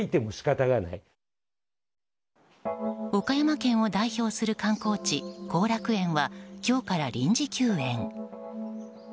岡山県を代表する観光地後楽園は今日から臨時休園。